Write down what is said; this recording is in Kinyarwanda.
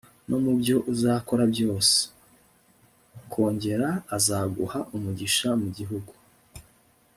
no mu byo uzakora byose;+ azaguha umugisha mu gihugu